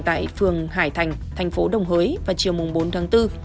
tại phường hải thành thành phố đồng hới vào chiều bốn tháng bốn